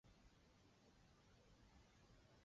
还有许多年号在不同时期重复使用。